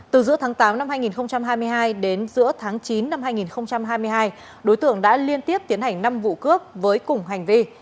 từ giữa tháng tám năm hai nghìn hai mươi hai đến giữa tháng chín năm hai nghìn hai mươi hai đối tượng đã liên tiếp tiến hành năm vụ cướp với cùng hành vi